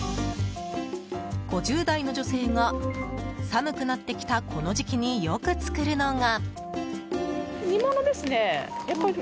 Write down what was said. ５０代の女性が、寒くなってきたこの時期によく作るのが。